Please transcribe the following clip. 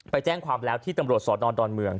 แจ้งความแล้วที่ตำรวจสอนอนดอนเมือง